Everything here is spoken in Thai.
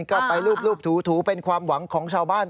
ก็ไปรูปถูเป็นความหวังของชาวบ้าน